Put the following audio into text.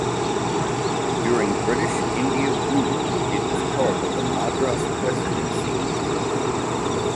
During British India rule it was part of the Madras presidency.